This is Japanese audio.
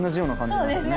そうですね。